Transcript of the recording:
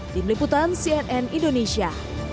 tim liputan cnn indonesia